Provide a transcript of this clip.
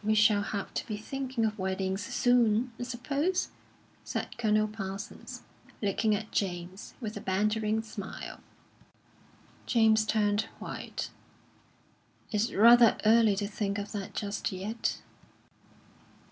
"We shall have to be thinking of weddings soon, I suppose?" said Colonel Parsons, looking at James, with a bantering smile. James turned white. "It's rather early to think of that just yet."